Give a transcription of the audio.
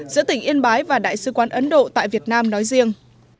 giữa tỉnh yên bái và đại sứ quán ấn độ tại việt nam nói riêng